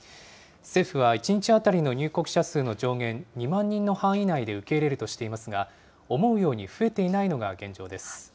政府は１日当たりの入国者数の上限２万人の範囲内で受け入れるとしていますが、思うように増えていないのが現状です。